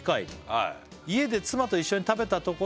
はい「家で妻と一緒に食べたところ」